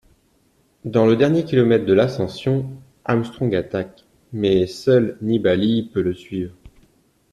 Dans le dernier km de l'ascension, Armstrong attaque, mais seul Nibali peut le suivre.